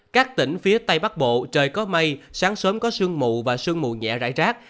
các tỉnh phía tây bắc bộ trời có mây sáng sớm có sương mù và sương mù nhẹ rải rác